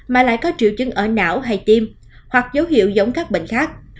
mà lại có triệu chứng ở não hay tim hoặc dấu hiệu giống các bệnh khác